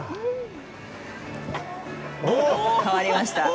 変わりました。